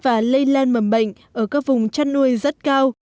phát tán và lây lan mầm bệnh ở các vùng chăn nuôi rất cao